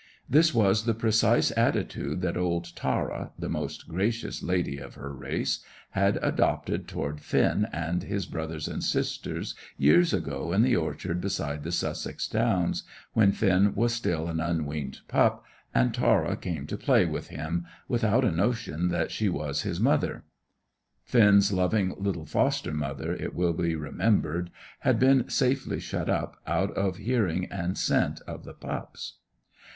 This was the precise attitude that old Tara, the most gracious lady of her race, had adopted toward Finn and his brothers and sisters, years ago in the orchard beside the Sussex Downs, when Finn was still an unweaned pup, and Tara came to play with him, without a notion that she was his mother. (Finn's loving little foster mother, it will be remembered, had been safely shut up, out of hearing and scent of the pups.)